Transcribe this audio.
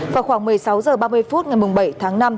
vào khoảng một mươi sáu h ba mươi phút ngày bảy tháng năm